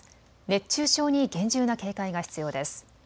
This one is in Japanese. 熱中症に厳重な警戒が必要です。